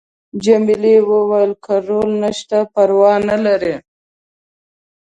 جميلې وويل:: که رول نشته پروا نه لري.